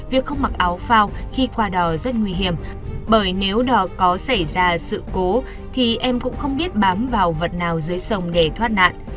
việc không mặc áo phao khi qua đò rất nguy hiểm bởi nếu đò có xảy ra sự cố thì em cũng không biết bám vào vật nào dưới sông để thoát nạn